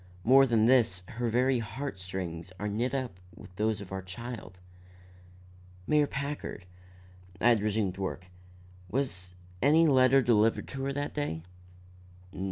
More than this, her very heart strings are knit up with those of our child." "Mayor Packard," I had resumed work, "was any letter delivered to her that day?"